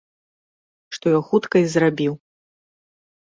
Што я хутка і зрабіў.